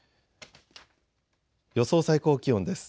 予想最高気温です。